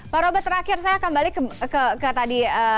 pak robert terakhir saya akan balik ke tadi